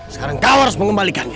sekarang kau harus mengembalikannya